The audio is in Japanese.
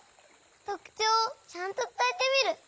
とくちょうをちゃんとつたえてみる！